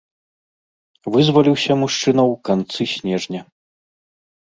Вызваліўся мужчына ў канцы снежня.